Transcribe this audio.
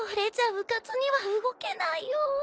うかつには動けないよ。